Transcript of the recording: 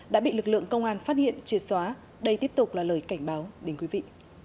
đã bị lực lượng công an phát hiện triệt xóa đây tiếp tục là lời cảnh báo đến quý vị